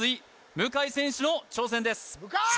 向選手の挑戦です向！